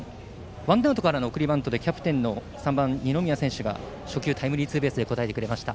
ワンアウトからの送りバントでキャプテンの３番、二宮選手が初球、タイムリーツーベースで応えてくれました。